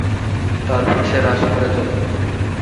তারপর সে রাশমোরে চলে যায়।